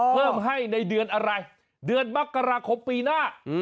เพิ่มให้ในเดือนอะไรเดือนมกราคมปีหน้า